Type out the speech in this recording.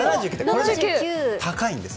これは高いんです。